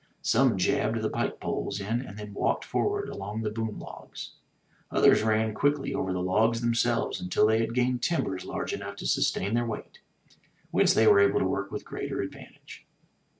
Some jabbed the pike poles in and then walked forward along the boom logs. Others ran quickly over the logs themselves until they had gained timbers large enough to sus tain their weight, whence they were able to work with greater advantage.